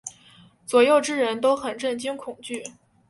左右之人都很震惊恐惧。